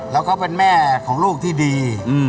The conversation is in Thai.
แล้วก็เป็นแม่ของลูกที่ดี